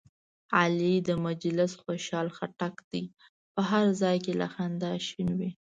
علي د مجلس خوشحال خټک دی، په هر ځای کې له خندا شین وي.